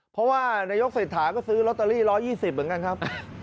เพราะว่านายกเสดทาก็ซื้อรอเตอรี่๑๒๐กันครับ